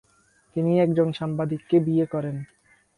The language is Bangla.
তিনি একজন সাংবাদিককে বিয়ে করেন।